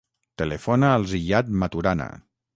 Telefona al Ziyad Maturana.